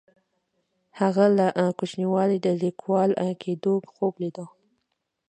هغه له کوچنیوالي د لیکوال کیدو خوب لیده.